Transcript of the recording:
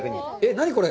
何これ？